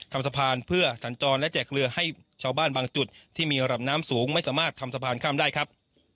ทำสะพานเพื่อสัญจรและแจกเรือให้ชาวบ้านบางจุดที่มีระดับน้ำสูงไม่สามารถทำสะพานข้ามได้ครับ